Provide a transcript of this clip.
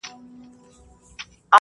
بدلیږمه زه هم په هر ساعت که ته بدلیږې